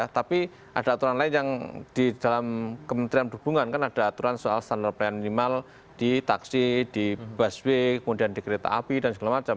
tapi ada aturan lain yang di dalam kementerian perhubungan kan ada aturan soal standar pelayanan minimal di taksi di busway kemudian di kereta api dan segala macam